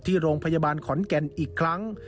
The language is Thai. ที่โรงพยาบาลขอนแก่นอีกครั้ง